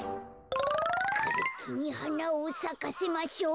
「かれきにはなをさかせましょう」。